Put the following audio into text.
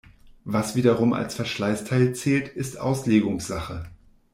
Was wiederum als Verschleißteil zählt, ist Auslegungssache.